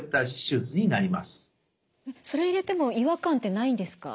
それを入れても違和感ってないんですか？